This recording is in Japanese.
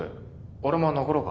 俺も残ろうか？